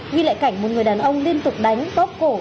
ghi lại cảnh một người đàn ông liên tục đánh góp cổ